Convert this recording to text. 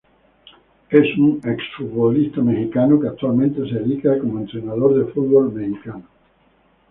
Es un exfutbolista mexicano que actualmente se dedica como entrenador de fútbol mexicano.